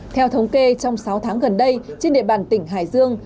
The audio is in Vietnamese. theo thống kê trong sáu tháng gần đây trên địa bàn tỉnh hải dương